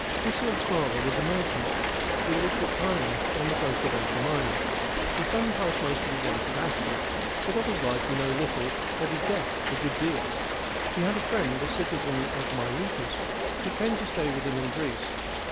Hesiod's father was a merchant who lived at Kyme, on the coast of Asia Minor. The son passed I most of his life at Askra, but of his life we know little, of his death a good deal. He had a friend, a citizen of Miletus, who came to stay with him in Greece.